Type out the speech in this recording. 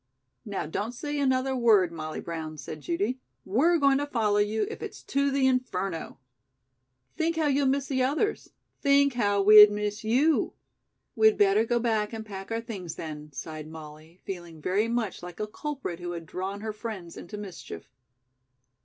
"Now, don't say another word, Molly Brown," said Judy. "We're going to follow you if it's to the Inferno." "Think how you'll miss the others." "Think how we'd miss you." "We'd better go back and pack our things, then," sighed Molly, feeling very much like a culprit who had drawn her friends into mischief.